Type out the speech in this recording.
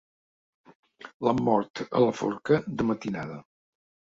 L'han mort a la forca de matinada.